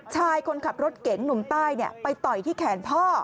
ชายคนขับรถเก๋งหนุ่มใต้ไปต่อยที่แขนพ่อ